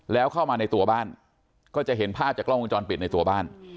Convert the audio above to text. แล้วเข้ามาในตัวบ้านก็จะเห็นภาพจากกล้องวงจรปิดในตัวบ้าน